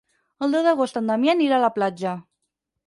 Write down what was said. El deu d'agost en Damià anirà a la platja.